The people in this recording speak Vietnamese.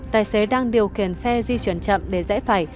tài xế đang điều khiển xe di chuyển chậm để rẽ phải